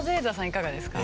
いかがですか？